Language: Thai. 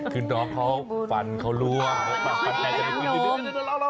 คือน้องเขาฟันเขาร่วม